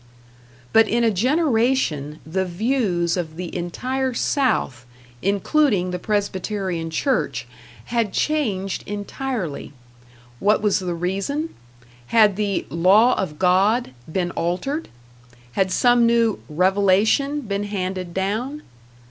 But in a generation the views of the entire South, including the Presbyterian Church, had changed entirely. What was the reason? Had the "law of God" been altered? Had some new "revelation" been handed down?